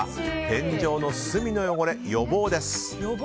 天井の隅の汚れ、予防です。